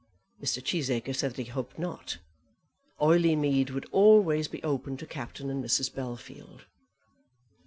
Mr. Cheesacre said that he hoped not. Oileymead would always be open to Captain and Mrs. Bellfield.